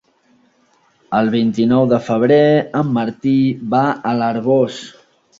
El vint-i-nou de febrer en Martí va a l'Arboç.